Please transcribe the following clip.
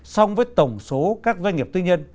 song với tổng số các doanh nghiệp tư nhân